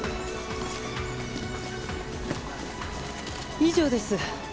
以上です。